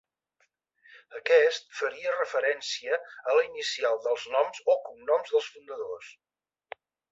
Aquest faria referència a la inicial dels noms o cognoms dels fundadors.